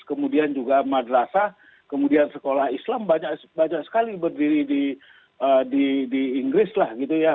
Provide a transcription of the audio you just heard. kemudian juga madrasah kemudian sekolah islam banyak sekali berdiri di inggris lah gitu ya